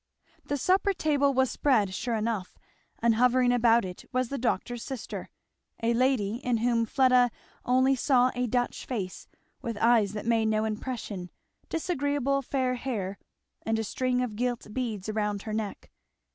The supper table was spread, sure enough, and hovering about it was the doctor's sister; a lady in whom Fleda only saw a Dutch face, with eyes that made no impression, disagreeable fair hair, and a string of gilt beads round her neck.